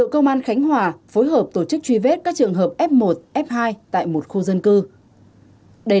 cảm ơn quý vị và các bạn đã theo dõi